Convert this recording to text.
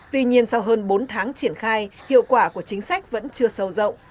tuy nhiên sau hơn bốn tháng triển khai hiệu quả của chính sách vẫn chưa sâu rộng